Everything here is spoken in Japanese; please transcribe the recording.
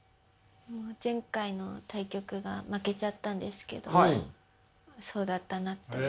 前回の対局が負けちゃったんですけどそうだったなって。